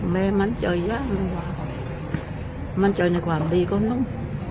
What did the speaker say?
แม่มันเจ๋ยนะมันเจ๋ยนี่กว่ามีก็นุ่ม